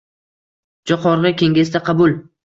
Jo‘qorg‘i Kengesda qabul